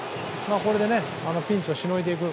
これでピンチをしのいでいく。